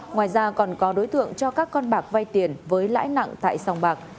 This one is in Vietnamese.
ngoài ra còn có đối tượng cho các con bạc vai tiền với lãi nặng tại sòng bạc